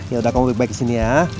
ya udah kamu baik baik disini ya